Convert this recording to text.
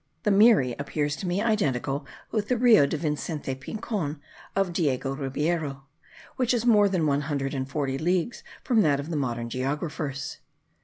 The Meary appears to me identical with the Rio de Vicente Pincon of Diego Ribeyro, which is more than one hundred and forty leagues from that of the modern geographers.